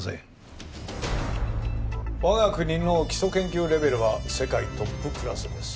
我が国の基礎研究レベルは世界トップクラスです。